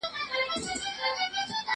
هره ورځ به نه وي غم د اردلیانو